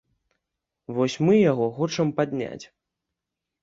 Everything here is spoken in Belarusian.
Вось мы яго хочам падняць.